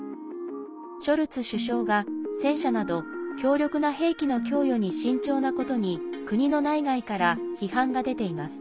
ショルツ首相が、戦車など強力な兵器の供与に慎重なことに国の内外から批判が出ています。